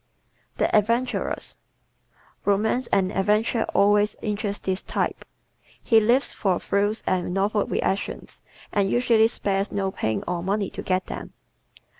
The Adventurers ¶ Romance and adventure always interest this type. He lives for thrills and novel reactions and usually spares no pains or money to get them.